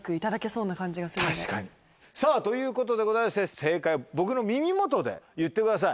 さぁということでございまして正解は僕の耳元で言ってください。